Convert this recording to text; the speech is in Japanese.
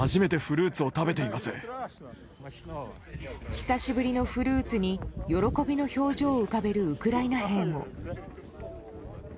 久しぶりのフルーツに喜びの表情を浮かべるウクライナ兵も。